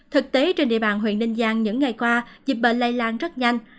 thực tế trên địa bàn huyện ninh giang những ngày qua dịch bệnh lây lan rất nhanh